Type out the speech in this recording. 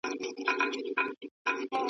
د ویر او غم سندرې ډېرې دردونکې وي.